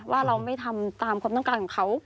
ว่าเราไม่ทำตามความต้องการของเขา